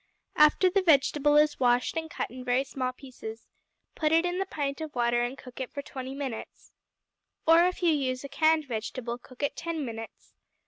After the vegetable is washed and cut in very small pieces, put it in the pint of water and cook it for twenty minutes. Or, if you use a canned vegetable, cook it ten minutes.